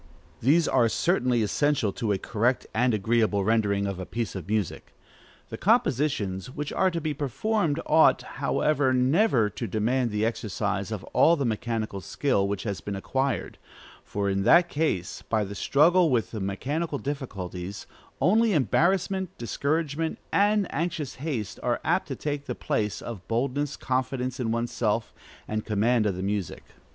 These are certainly essential to a correct and agreeable rendering of a piece of music: the compositions which are to be performed ought, however, never to demand the exercise of all the mechanical skill which has been acquired, for in that case, by the struggle with mechanical difficulties, only embarrassment, discouragement, and anxious haste are apt to take the place of boldness, confidence in one's self, and command of the music.